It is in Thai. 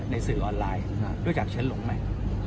ในสื่อออนไลน์รู้จักเชิ้ลหลวงไหม